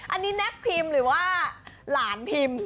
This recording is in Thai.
อันนี้แน็กพิมพ์หรือว่าหลานพิมพ์